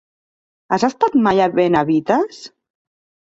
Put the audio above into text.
Has estat mai a Benavites?